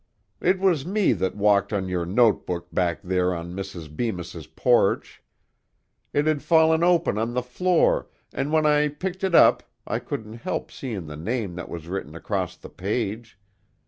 It was me that walked on your note book back there on Mrs. Bemis's porch. It had fallen open on the floor, an' when I picked it up I couldn't help seein' the name that was written across the page.